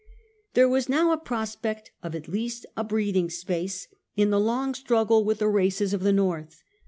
There was now a prospect of at least a breathing space in the long struggle with the races of the North.